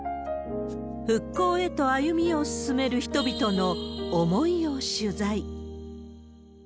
復興へと歩みを進める人々の思いを取材。